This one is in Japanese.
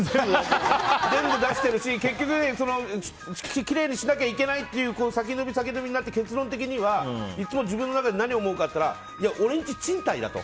全部出してるし結局、きれいにしなきゃいけないっていう先延び先延びになって結論的にはいつも自分の中で何を思うかっていったらおれの家、賃貸だと。